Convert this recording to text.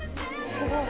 すごい。